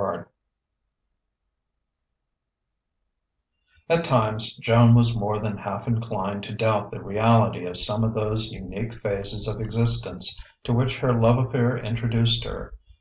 XX At times Joan was more than half inclined to doubt the reality of some of those unique phases of existence to which her love affair introduced her.